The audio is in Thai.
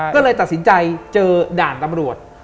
ก็เลยตัดสินใจเจอด่านตำรวจ